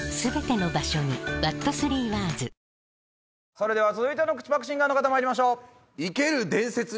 それでは続いての口ぱくシンガーまいりましょう。